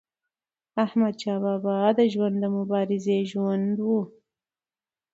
احمدشاه بابا د ژوند د مبارزې ژوند و.